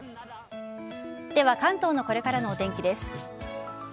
では関東のこれからのお天気です。